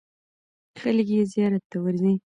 خلک یې زیارت ته ورځي.